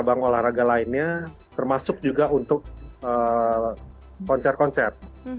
cabang olahraga lainnya termasuk juga untuk konser konser